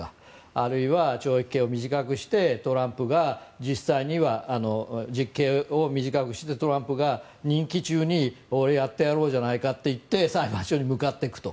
あるいは懲役刑を短くしてトランプが実際には実刑を短くしてトランプが任期中に俺、やってやろうじゃないかと言って裁判所に向かっていくと。